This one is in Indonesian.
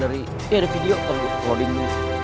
ada video kalau lu uploadin